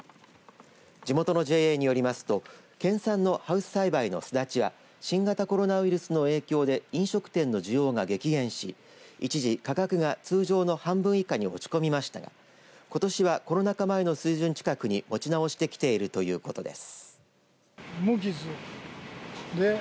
地元のＪＡによりますと県産のハウス栽培のすだちは新型コロナウイルスの影響で飲食店の需要が激減し一時、価格が通常の半分以下に落ち込みましたがことしはコロナ禍前の水準近くに持ち直してきているということです。